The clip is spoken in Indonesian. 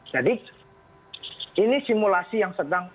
jadi ini simulasi yang sedang